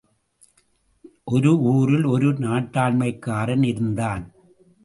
ஒரு ஊரில் ஒரு நாட்டாண்மைக்காரன் இருந்தான்.